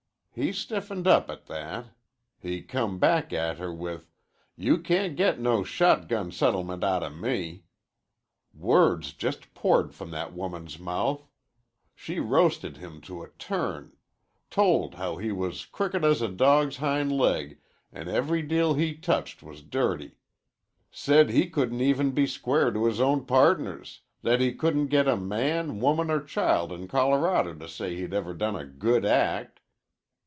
He stiffened up at that. He come back at her with, 'You can't get no shot gun settlement outa me.' Words just poured from that woman's mouth. She roasted him to a turn, told how he was crooked as a dog's hind leg an' every deal he touched was dirty. Said he couldn't even be square to his own pardners, that he couldn't get a man, woman, or child in Colorado to say he'd ever done a good act.